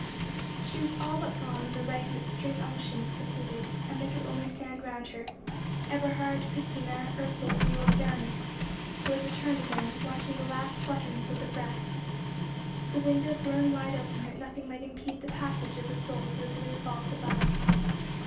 She was all but gone when the rite of extreme unction was completed, and they could only stand round her, Eberhard, Christina, Ursel, and the old Baroness, who had returned again, watching the last flutterings of the breath, the window thrown wide open that nothing might impede the passage of the soul to the blue vault above.